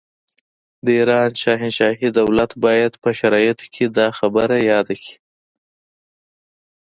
د ایران شاهنشاهي دولت باید په شرایطو کې دا خبره یاده کړي.